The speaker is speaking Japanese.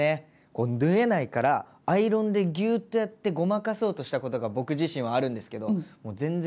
縫えないからアイロンでぎゅーっとやってごまかそうとしたことが僕自身はあるんですけどもう全然駄目でした。